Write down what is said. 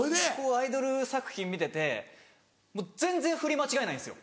アイドル作品見てて全然振り間違えないんですよ。